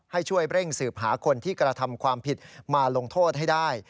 ให้ช่วยเร่งสืบหาคนที่กระทำความผิดมาลงโทษให้ได้